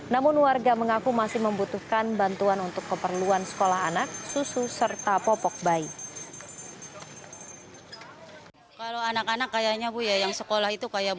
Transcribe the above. namun warga mengaku masih membutuhkan bantuan untuk keperluan sekolah